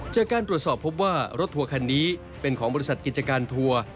จากการตรวจสอบพบว่ารถทัวร์คันนี้เป็นของบริษัทกิจการทัวร์